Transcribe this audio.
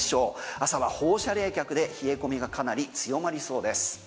朝は放射冷却で冷え込みがかなり強まりそうです。